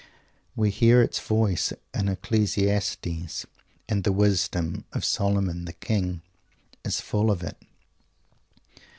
We hear its voice in "Ecclesiastes," and the wisdom of "Solomon the King" is full of it.